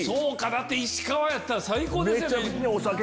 石川やったら最高ですよね。